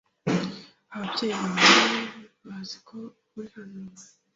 Ababyeyi bawe bazi ko uri hano?